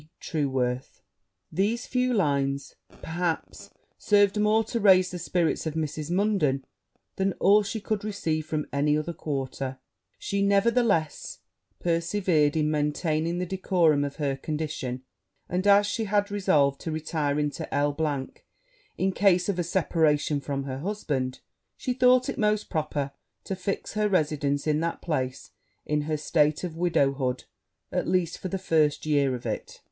TRUEWORTH.' These few lines, perhaps, served more to raise the spirits of Mrs. Munden than all she could receive from any other quarter; she nevertheless persevered in maintaining the decorum of her condition; and as she had resolved to retire into L e in case of a separation from her husband, she thought it most proper to fix her residence in that place in her state of widowhood, at least for the first year of it.